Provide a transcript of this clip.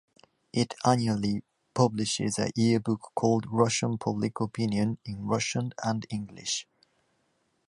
It annually publishes a year-book called "Russian Public Opinion" in Russian and English.